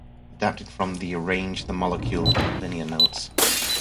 Adapted from the "Arrange the Molecule" liner notes.